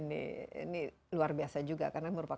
ini luar biasa juga karena merupakan